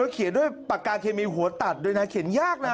เขียนด้วยปากกาเคมีหัวตัดด้วยนะเขียนยากนะ